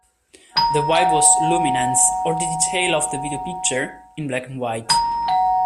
The "Y" was luminance, or the detail of the video picture, in black-and-white.